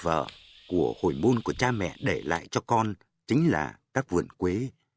vợ của hồi môn của cha mẹ để lại cho con chính là các vườn quế